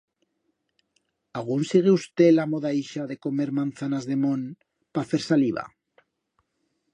Agún sigue usté la moda ixa de comer manzanas de mont pa fer saliva?